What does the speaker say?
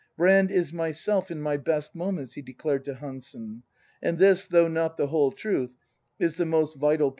"Brand is myself in my best moments," he declared to Hansen;^ and this, though not the whole truth, is the most vital part of it.